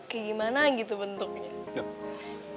pasti dia bisa bantuin gue